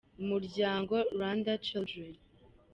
umuryango Rwanda Children.